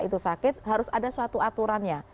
itu sakit harus ada suatu aturannya